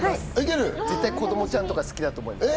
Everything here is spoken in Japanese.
子供ちゃんとか好きだと思います。